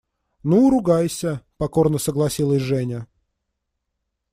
– Ну, ругайся, – покорно согласилась Женя.